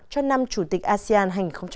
cho năm chủ tịch asean hai nghìn một mươi tám